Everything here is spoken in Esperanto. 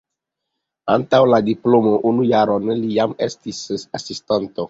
Antaŭ la diplomo unu jaron li jam estis asistanto.